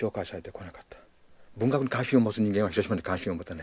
文学に関心を持つ人間は広島に関心を持たない。